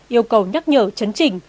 yêu cầu nhắc nhở chấn trình